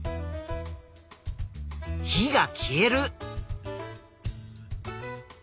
火が消える。